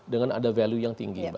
dengan ada value yang tinggi mbak